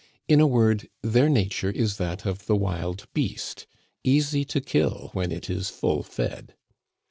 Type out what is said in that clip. In a word, their nature is that of the wild beast easy to kill when it is full fed.